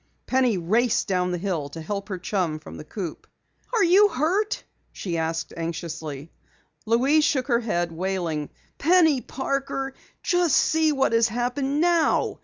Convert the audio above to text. Penny raced down the hill to help her chum from the coupe. "Are you hurt?" she asked anxiously. Louise shook her head, wailing: "Penny Parker, just see what has happened now!